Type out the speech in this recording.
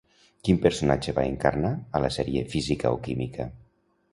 Quin personatge va encarnar a la sèrie Física o Química?